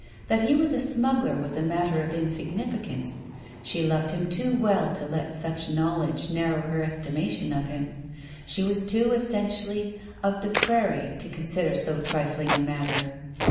That he was a smuggler was a matter of insignificance. She loved him too well to let such knowledge narrow her estimation of him. She was too essentially of the prairie to consider so trifling a matter.